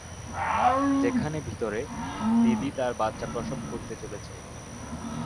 যেখানে ভিতরে, দিদি তার বাচ্চা প্রসব করতে চলেছে।